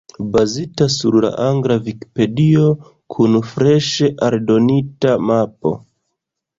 Bazita sur la angla Vikipedio, kun freŝe aldonita mapo.